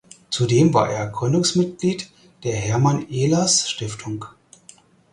Zudem war er Gründungsmitglied der Hermann Ehlers Stiftung.